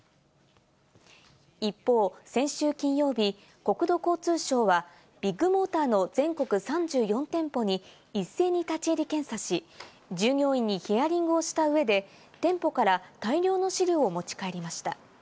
一方、先週金曜日、国土交通省はビッグモーターの全国３４店舗に一斉に立ち入り検査し、従業員にヒアリングをした上で店舗から大量の資料を持ち帰りました。